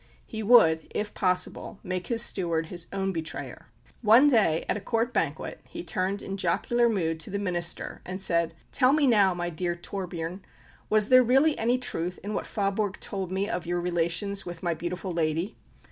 He would, if possible, make his steward his own betrayer. One day, at a Court banquet, he turned in jocular mood to the minister and said, "Tell me now, my dear Torbern, was there really any truth in what Faaborg told me of your relations with my beautiful Lady!